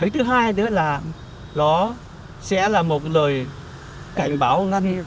thứ hai nữa là nó sẽ là một lời cảnh báo ngăn